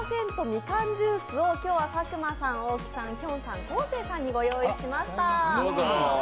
みかんジュースを今日は佐久間さん、大木さん、きょんさん、昴生さんにご用意しました。